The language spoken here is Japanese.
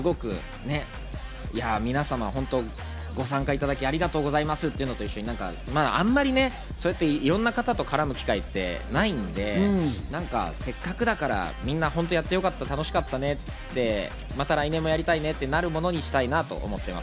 皆様ご参加いただきありがとうございますというのと一緒に、あまりそうやっていろんな方と絡む機会ってないので、せっかくだから、みんなやって楽しかったね、また来年もやりたいねってなるものにしたいなと思ってます。